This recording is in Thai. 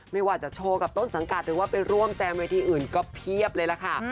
ไม่ว่าจะโชว์กับต้นสังกัดหรือว่าไปร่วมแจมเวทีอื่นก็เพียบเลยล่ะค่ะ